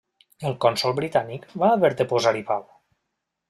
El cònsol britànic va haver de posar-hi pau.